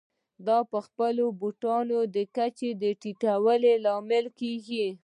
دا په خپله د بوټانو د کچې ټیټېدو لامل کېږي